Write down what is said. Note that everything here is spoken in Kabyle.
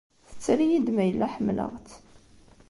Tetter-iyi-d ma yella ḥemmleɣ-tt.